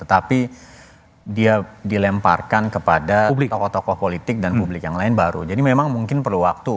tetapi dia dilemparkan kepada tokoh tokoh politik dan publik yang lain baru jadi memang mungkin perlu waktu